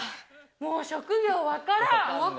もう職業わからん。